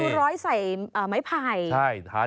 คือร้อยใส่ไม้ไผ่